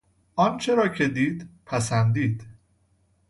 آنچه را که دید، پسندید.